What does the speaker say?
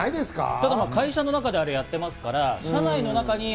ただ会社の中でやってますから。